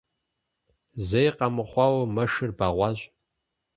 Зэи къэмыхъуауэ, мэшыр бэгъуащ.